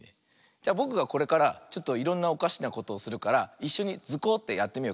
じゃぼくがこれからちょっといろんなおかしなことをするからいっしょに「ズコ！」ってやってみようか。